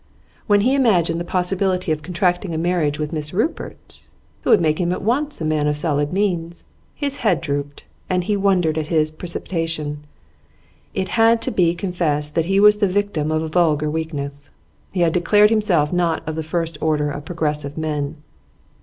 When he imagined the possibility of contracting a marriage with Miss Rupert, who would make him at once a man of solid means, his head drooped, and he wondered at his precipitation. It had to be confessed that he was the victim of a vulgar weakness. He had declared himself not of the first order of progressive men.